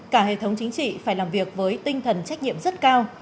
cả hệ thống chính trị phải làm việc với tinh thần trách nhiệm rất cao